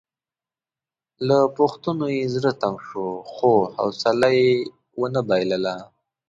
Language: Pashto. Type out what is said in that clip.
له پوښتنو یې زړه تنګ شو خو حوصله مې ونه بایلله.